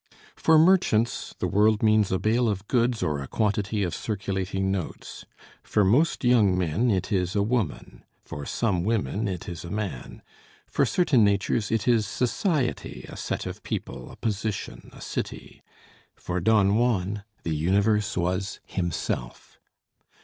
For merchants the world means a bale of goods or a quantity of circulating notes; for most young men it is a woman; for some women it is a man; for certain natures it is society, a set of people, a position, a city; for Don Juan the universe was himself!